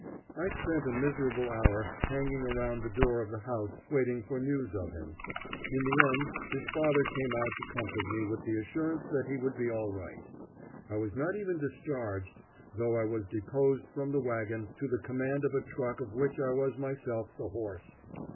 I spent a miserable hour hanging around the door of the house waiting for news of him. In the end his father came out to comfort me with the assurance that he would be all right. I was not even discharged, though I was deposed from the wagon to the command of a truck of which I was myself the horse.